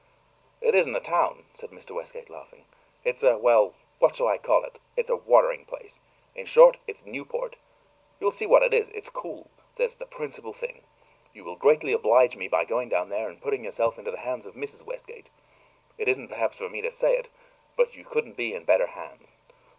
"It isn't a town," said Mr. Westgate, laughing. "It's a well, what shall I call it? It's a watering place. In short, it's Newport. You'll see what it is. It's cool; that's the principal thing. You will greatly oblige me by going down there and putting yourself into the hands of Mrs. Westgate. It isn't perhaps for me to say it, but you couldn't be in better hands.